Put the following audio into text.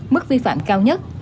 mức vi phạm cao nhất